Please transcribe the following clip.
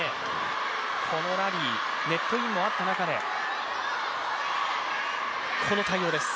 このラリー、ネットインもあった中でこの対応です。